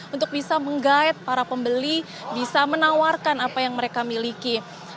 untuk bisa menggait para pembeli bisa menawarkan apa yang mereka miliki